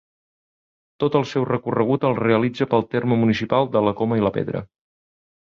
Tot el seu recorregut el realitza pel terme municipal de La Coma i la Pedra.